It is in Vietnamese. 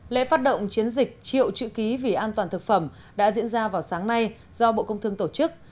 lễ phát động chiến dịch triệu chữ ký vì an toàn thực phẩm đã diễn ra vào sáng nay do bộ công thương tổ chức